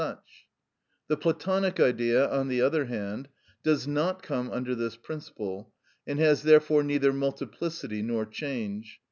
The Platonic Idea, on the other hand, does not come under this principle, and has therefore neither multiplicity nor change.